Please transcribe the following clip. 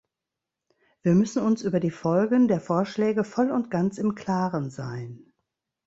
Wir müssen uns über die Folgen der Vorschläge voll und ganz im Klaren sein.